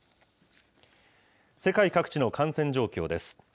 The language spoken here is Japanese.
世界各地の感染状況です。